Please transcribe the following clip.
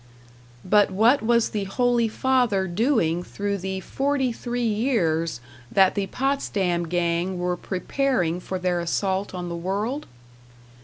But what was the Holy Father doing through the forty three years that the Potsdam gang were preparing for their assault on the world?